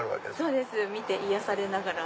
そうです見て癒やされながら。